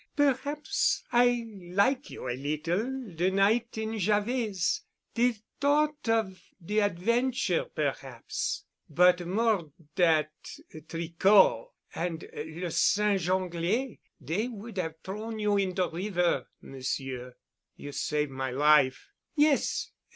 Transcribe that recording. Perhaps I like' you a little de night in Javet's. De thought of de adventure—perhaps, but more dat Tricot and Le Singe Anglais—dey would 'ave t'rown you in de river, Monsieur." "You saved my life——" "Yes.